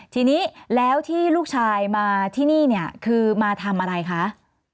ทีนี้แล้วที่ลูกชายมาที่นี่เนี่ยคือมาทำอะไรคะ